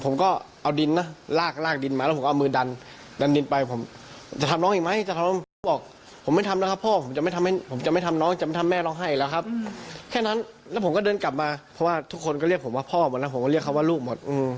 มีทเขาบอกว่าพ่อหมดแล้วผมก็เรียกเขาว่าลูกหมด